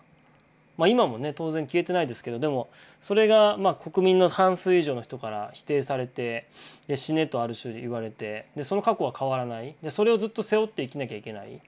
ま今もね当然消えてないですけどでもそれが国民の半数以上の人から否定されて「死ね」とある種言われてその過去は変わらないそれをずっと背負って生きなきゃいけない。